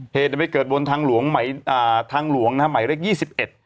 เหตุที่เกิดบนทางหลวงหมายเลข๒๑